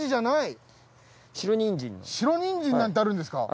白ニンジンなんてあるんですか。